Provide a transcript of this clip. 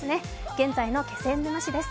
現在の気仙沼市です。